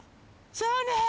そうね。